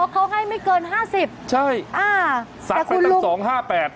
เพราะเขาให้ไม่เกิน๕๐บาทใช่แต่คุณลุงสักไปตั้ง๒๕๘